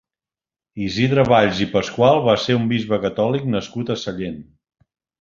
Isidre Valls i Pascual va ser un bisbe catòlic nascut a Sallent.